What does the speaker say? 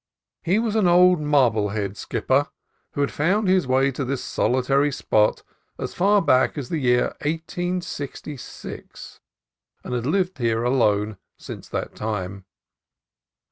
He was an old Marblehead skipper who had found his way to this solitary spot as far back as the year 1866, and had lived here alone since that time.